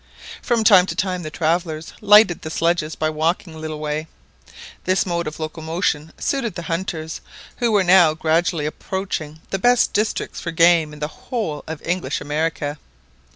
From time to time the travellers lightened the sledges by walking little way. This mode of locomotion suited the hunters, who were now gradually approaching the best districts for game in the whole of English America.